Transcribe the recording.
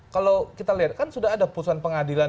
kalau kita lihat kan sudah ada putusan pengadilan